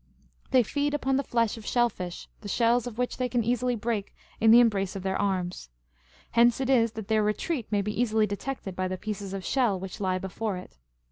They feed upon the flesh of shell fish, the shells of which they can easily break in the embrace of their arms : hence it is that their retreat may be easily detected by the pieces of shell which lie before it.